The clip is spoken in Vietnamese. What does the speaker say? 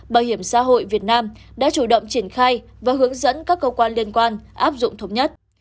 bảo hiểm xã hội việt nam đã chủ động triển khai và hướng dẫn các cơ quan liên quan áp dụng thống nhất